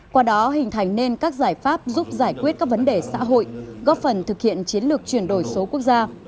qua đó hình thành nên các giải pháp giúp giải quyết các vấn đề xã hội góp phần thực hiện chiến lược chuyển đổi số quốc gia